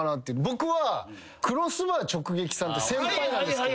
僕はクロスバー直撃さんって先輩なんですけど。